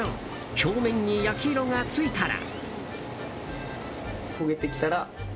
表面に焼き色がついたら。